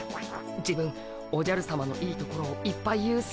自分おじゃるさまのいいところをいっぱい言うっす。